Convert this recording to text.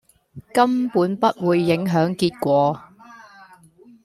根本不會影響結果